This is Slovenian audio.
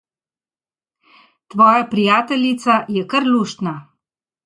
Tvoja prijateljica je kar luštna.